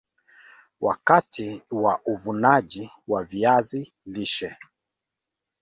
Wakati wa uvunaji wa viazi lishe